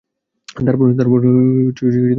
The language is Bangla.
তারপর বিষ্ফোরণ ঘটাবে।